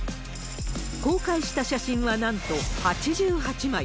公開した写真はなんと８８枚。